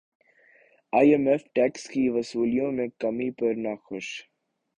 ئی M F tax کی وصولیوں میں کمی پر ناخوش